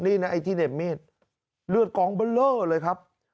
นี่นะไอ้ที่เหน็บมีดเลือดกองเบอร์เลอร์เลยครับ